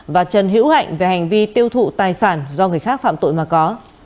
và trần hữu hạnh về hành vi tiêu thụ tài sản do người khác phạm tội mà có